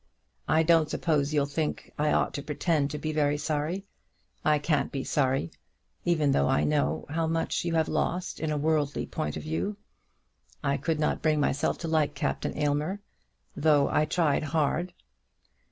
I don't suppose you'll think I ought to pretend to be very sorry. I can't be sorry, even though I know how much you have lost in a worldly point of view. I could not bring myself to like Captain Aylmer, though I tried hard.